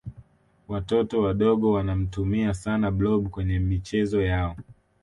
watoto wadogo wanamtumia sana blob kwenye michezo yao